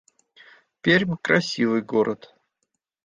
Пермь — красивый город